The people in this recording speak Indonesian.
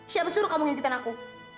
siapa suruh kamu ngikutin aku